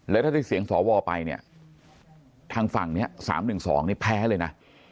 แล้วถ้าได้เสียงสวไปเนี่ยทางฝั่งนี้๓๑๒นี่แพ้เลยนะ